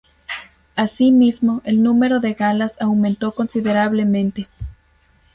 Así mismo el número de galas aumentó considerablemente.